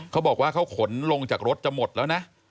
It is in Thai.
เขาบอกว่าเขาขนลงจากรถจะหมดแล้วนะ